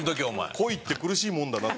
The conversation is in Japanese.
「恋って苦しいもんだな」って。